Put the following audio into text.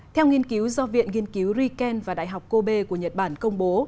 theo nghiên cứu do viện nghiên cứu riken và đại học kobe của nhật bản công bố